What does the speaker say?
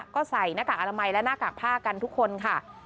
ก็ใส่หน้ากากอนามัยและหน้ากากผ้ากันทุกคนค่ะ